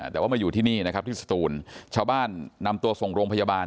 แต่ว่ามาอยู่ที่นี่นะครับที่สตูนชาวบ้านนำตัวส่งโรงพยาบาล